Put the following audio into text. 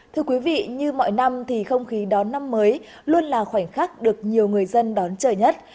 thưa quý vị như mọi năm thì không khí đón năm mới luôn là khoảnh khắc được nhiều người dân đón chờ nhất